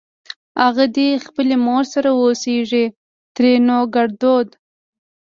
اغه دې خپلې مور سره اوسېږ؛ ترينو ګړدود